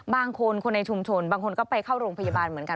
บางคนคนในชุมชนบางคนก็ไปเข้าโรงพยาบาลเหมือนกัน